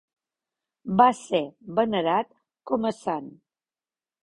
Va ser venerat com a sant.